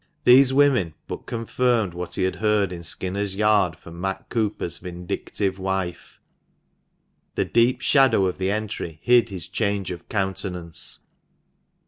These women but confirmed what he had heard in Skinners' Yard from Matt Cooper's vindictive wife. The deep shadow of the entry hid his change of countenance.